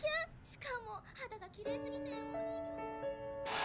しかも肌がきれいすぎて。